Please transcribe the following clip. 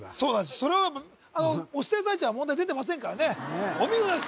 それは押してる最中は問題出てませんからねお見事です